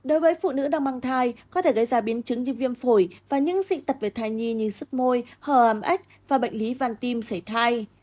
đối với phụ nữ đang mang thai có thể gây ra biến chứng như viêm phổi và những dị tật về thai nhi như sức môi hờ ảm ếch và bệnh lý văn tim xảy thai